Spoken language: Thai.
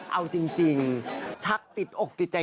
เอาจริงชัดจิบอกใจ